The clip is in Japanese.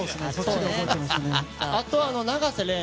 あと、永瀬廉。